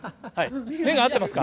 目が合ってますか？